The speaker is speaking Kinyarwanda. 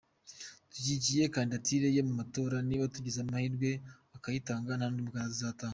Dushyigikiye kandidature ye mu matora, niba tugize amahirwe akayitanga nta n’undi mukandida tuzatanga.